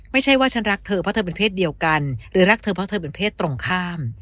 ไม่ใช่ว่าฉันรักเธอเพราะเธอเป็นเพศเดียวกันหรือรักเธอเพราะเธอเป็นเพศตรงข้าม